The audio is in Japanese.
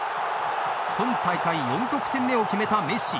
今大会４得点目を決めたメッシ。